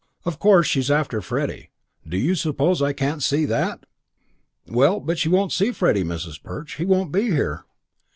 Of course she's after Freddie. Do you suppose I can't see that?" "Well, but she won't see Freddie, Mrs. Perch. He won't be here."